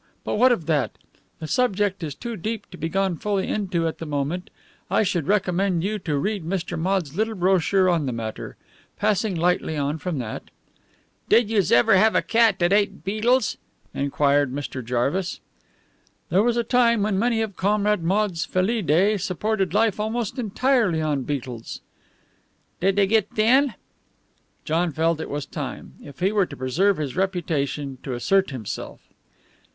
But what of that? The subject is too deep to be gone fully into at the moment. I should recommend you to read Mr. Maude's little brochure on the matter. Passing lightly on from that " "Did youse ever have a cat dat ate bettles?" enquired Mr. Jarvis. "There was a time when many of Comrade Maude's Felidae supported life almost entirely on beetles." "Did they git thin?" John felt it was time, if he were to preserve his reputation, to assert himself.